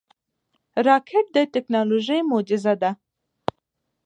راکټ د ټکنالوژۍ معجزه ده